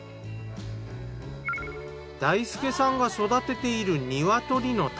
大輔さんが育てているニワトリの卵。